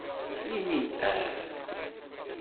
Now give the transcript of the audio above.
Ini-d "aah".